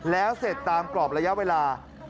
แล้วเสร็จตามกรอบระยะเวลา